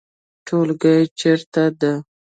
ټولګی چیرته ده؟